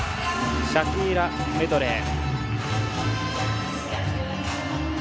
シャキーラメドレー